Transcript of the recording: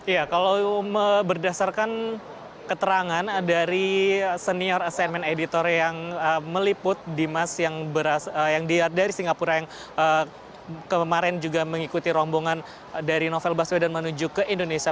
ya kalau berdasarkan keterangan dari senior assignment editor yang meliput dimas yang dari singapura yang kemarin juga mengikuti rombongan dari novel baswedan menuju ke indonesia